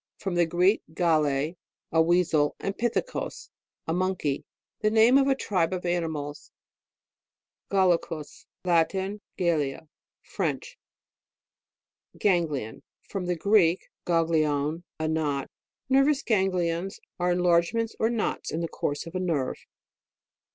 From the Greek, gale, a weasel, and pithekos, a mon key. The name of a tribe of ani mals. (See page 45.) GALLICUS. Latin. G.tllic. French. GANGLION. Fro in tin Greek, gang lion, a knot. Nervous ganglions are enlargements or knots in the course of a nerve.